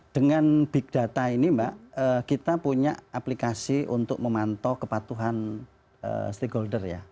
dengan big data ini mbak kita punya aplikasi untuk memantau kepatuhan stakeholder ya